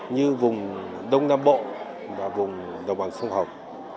như vùng đông nam bộ và vùng đồng bằng sông hồng